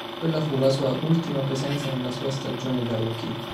Quella fu la sua ultima presenza nella sua stagione da rookie.